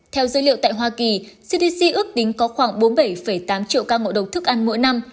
theo dữ liệu tại hoa kỳ cdc ước tính có khoảng bốn mươi bảy tám triệu ca ngộ độc thức ăn mỗi năm